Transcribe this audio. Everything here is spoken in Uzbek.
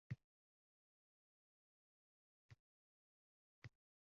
Qaydan keldim? Ne uchun keldim?